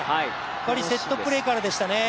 やっぱりセットプレーからでしたね。